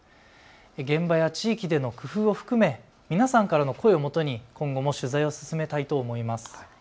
現場や地域での工夫を含め皆さんからの声をもとに今後も取材を進めたいと思います。